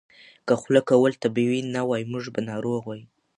که خوله کول طبیعي نه وای، موږ به ناروغ وای.